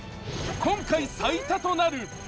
今回最多となる。